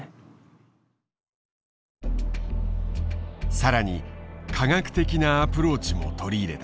更に科学的なアプローチも取り入れた。